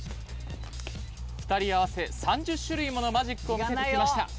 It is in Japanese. ２人合わせ３０種類ものマジックを見せてきました。